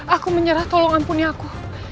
aku menyerah tolong ampuni aku